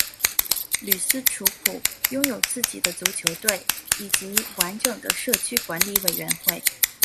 吕斯楚普拥有自己的足球队以及完整的社区管理委员会